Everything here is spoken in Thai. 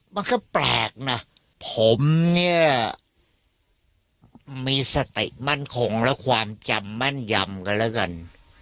มันก็แปลกนะผมเนี่ยมีสติมั่นคงและความจำแม่นยำกันแล้วกัน